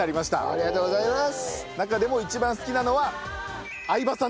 ありがとうございます。